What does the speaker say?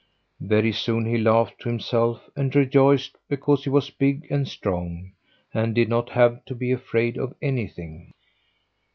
Very soon he laughed to himself and rejoiced because he was big and strong and did not have to be afraid of anything.